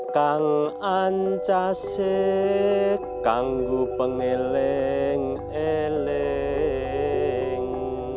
kau mencari aku pengeleng eleng